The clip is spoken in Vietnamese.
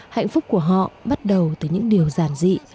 hạnh phúc của họ bắt đầu từ những điều giản dị